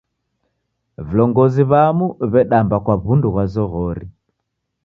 Vilongozi w'amu w'edamba kwa w'undu ghwa zoghori.